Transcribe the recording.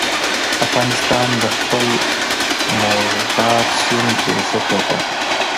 افغانستان د خپل مورغاب سیند یو ښه کوربه دی.